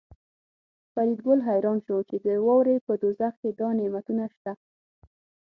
فریدګل حیران شو چې د واورې په دوزخ کې دا نعمتونه شته